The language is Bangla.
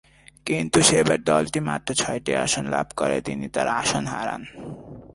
কিন্তু সেবার দলটি মাত্র ছয়টি আসন লাভ করার তিনি তার আসন হারান।